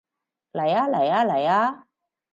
嚟吖嚟吖嚟吖